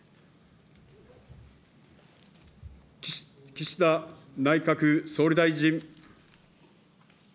岸田内閣総理大臣。